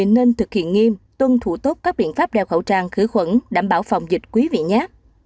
nên thực hiện nghiêm tuân thủ tốt các biện pháp đeo khẩu trang khử khuẩn đảm bảo phòng dịch quý vị nhát